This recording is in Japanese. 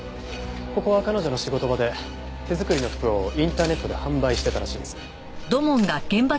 ここは彼女の仕事場で手作りの服をインターネットで販売してたらしいです。